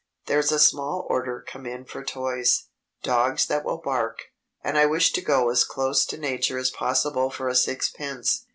There's a small order come in for toys dogs that will bark; and I wish to go as close to nature as possible for a sixpence.